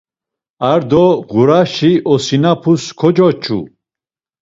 Ar do ğuraşi osinapus kocoç̌u.